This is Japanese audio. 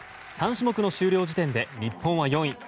３種目の終了時点で日本は４位。